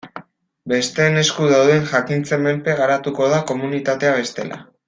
Besteen esku dauden jakintzen menpe geratuko da komunitatea bestela.